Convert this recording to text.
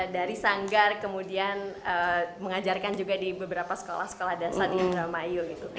dari sanggar kemudian mengajarkan juga di beberapa sekolah sekolah dasar di indramayu gitu